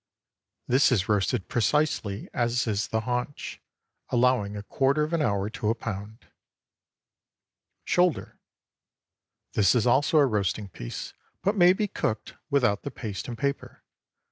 This is roasted precisely as is the haunch, allowing a quarter of an hour to a pound. SHOULDER. This is also a roasting piece, but may be cooked without the paste and paper.